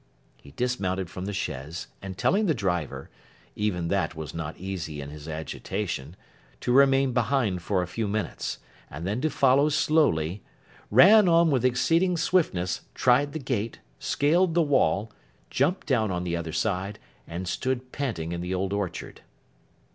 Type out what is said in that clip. He dismounted from the chaise, and telling the driver—even that was not easy in his agitation—to remain behind for a few minutes, and then to follow slowly, ran on with exceeding swiftness, tried the gate, scaled the wall, jumped down on the other side, and stood panting in the old orchard.